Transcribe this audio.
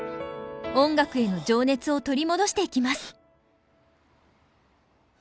音楽への情熱を取り戻していきます。